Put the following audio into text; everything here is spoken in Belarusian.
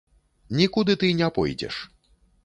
Нікуды ты не пойдзеш.